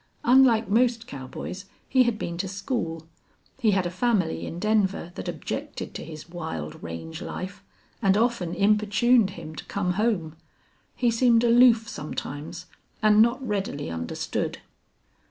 Unlike most cowboys, he had been to school; he had a family in Denver that objected to his wild range life, and often importuned him to come home; he seemed aloof sometimes and not readily understood.